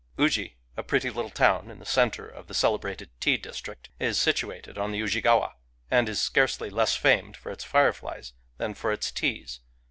Uji, a pretty little town in the centre of the celebrated tea district, is situated on the Ujigawa, and is scarcely less famed for its fireflies than for its teas.